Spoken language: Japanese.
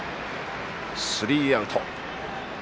スリーアウト。